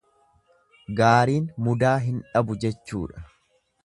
Gaariin mudaa hin dhabu jechuudha.